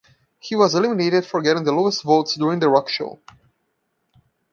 He was eliminated for getting the lowest votes during The Rock Show.